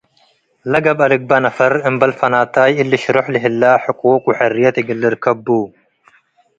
ለገብአ ልግበእ ነፈር አምበል ፈናታይ እሊ ሽሩሕ ለህለ ሕቁቅ ወሕርያት እግል ልርከብ ቡ፡፡